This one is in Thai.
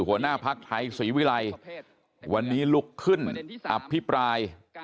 หัวหน้าภักดิ์ไทยศรีวิรัยวันนี้ลุกขึ้นอภิปราย